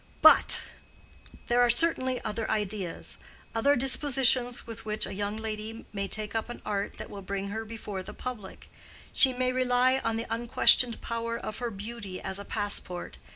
"But—there are certainly other ideas, other dispositions with which a young lady may take up an art that will bring her before the public. She may rely on the unquestioned power of her beauty as a passport.